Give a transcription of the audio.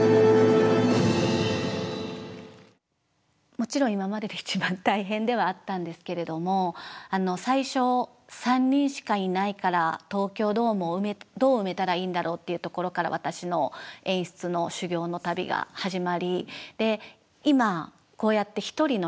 もちろん今までで一番大変ではあったんですけれども最初３人しかいないから東京ドームをどう埋めたらいいんだろうっていうところから私の演出の修業の旅が始まり